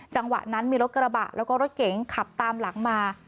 จังหวะนั้นมีรถกระบะแล้วก็รถเก๋งขับตามหลังมา